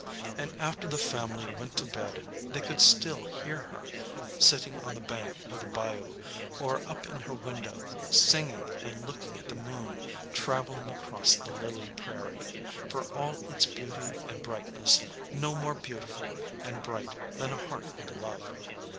And after the family went to bed they could still hear her, sitting on the bank of the bayou, or up in her window, singing and looking at the moon traveling across the lily prairie for all its beauty and brightness no more beautiful and bright than a heart in love.